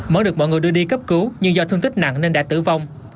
mới được mọi người đưa đi cấp cứu nhưng do thương tích nặng nên đã tử vong